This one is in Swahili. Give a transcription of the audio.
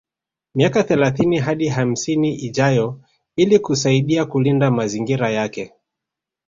Miaka thelathini hadi hamsini ijayo ili kusaidia kulinda mazingira yake